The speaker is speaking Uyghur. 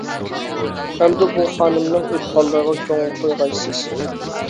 ئەمدى بۇ خانىمنىڭ ئېيتقانلىرىغا كۆڭۈل قويغايسىز.